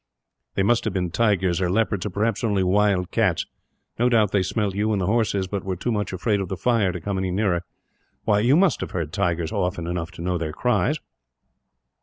They must have been tigers or leopards, or perhaps only wild cats. No doubt they smelt you and the horses, but were too much afraid of the fire to come any nearer. Why, you must have heard tigers often enough to know their cries."